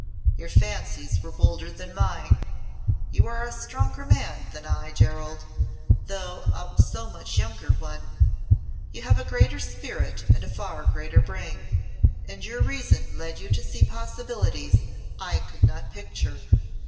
Your fancies were bolder than mine. You are a stronger man than I, Gerald, though a so much younger one; you have a greater spirit and a far greater brain, and your reason led you to see possibilities I could not picture.